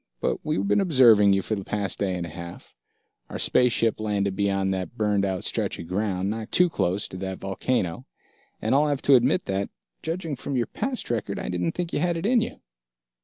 But we've been observing you for the past day and a half our space ship landed beyond that burned out stretch of ground, not too close to that volcano and I'll have to admit that, judging from your past record, I didn't think you had it in you."